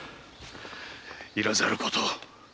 要らざることを。